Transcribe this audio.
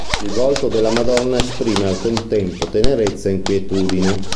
Il volto della Madonna esprime al contempo tenerezza e inquietudine.